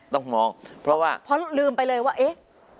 ต้องมองเพราะว่าเพราะลืมไปเลยว่าเอ๊ะ